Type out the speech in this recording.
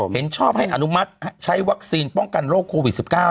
เห็นชอบให้อนุมัติใช้วัคซีนป้องกันโรคโควิด๑๙